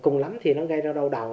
cùng lắm thì nó gây ra đau đau